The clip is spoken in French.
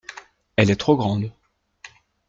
Elle est trop grande.